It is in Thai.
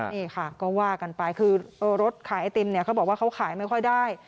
นี่ค่ะก็ว่ากันไปคือรถขายไอติมเนี่ยเขาบอกว่าเขาขายไม่ค่อยได้